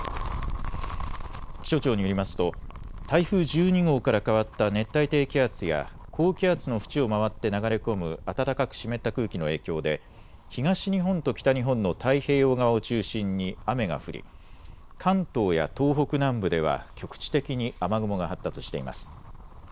気象庁によりますと台風１２号から変わった熱帯低気圧や高気圧の縁を回って流れ込む暖かく湿った空気の影響で東日本と北日本の太平洋側を中心に雨が降り関東や東北南部では局地的に雨雲が発達しています。